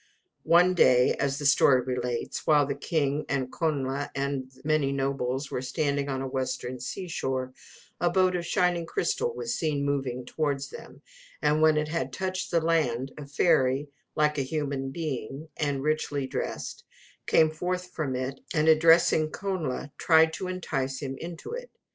One day as the story relates while the king and Connla, and many nobles were standing on the western sea shore, a boat of shining crystal was seen moving towards them: and when it had touched the land, a fairy, like a human being, and richly dressed, came forth from it, and addressing Connla, tried to entice him into it.